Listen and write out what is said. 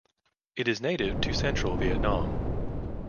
It is native to Central Vietnam.